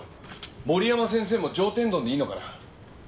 森山先生も上天丼でいいのかな？